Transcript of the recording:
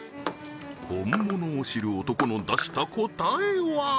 本物を知る男の出した答えは？